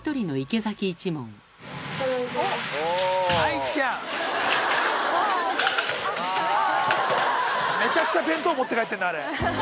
めちゃくちゃ弁当持って帰ってんなあれ。